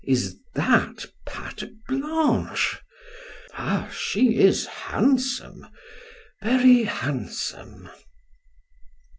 Is that Patte Blanche? Ah, she is handsome, very handsome!"